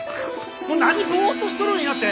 もう何ボーッとしとるんやて！